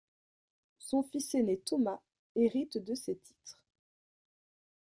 Son fils ainé Thomas hérite de ses titres.